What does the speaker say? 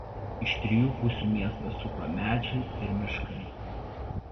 Iš trijų pusių miestą supa medžiai ir miškai.